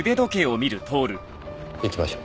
行きましょう。